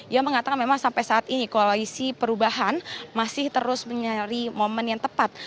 yang mengatakan memang sampai saat ini koalisi perubahan masih terus mencari momen yang tepat